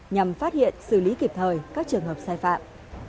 nhằm phát hiện xử lý kịp thời các trường hợp sai phạm